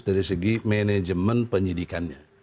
dari segi manajemen penyidikannya